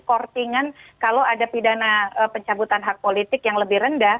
kortingan kalau ada pidana pencabutan hak politik yang lebih rendah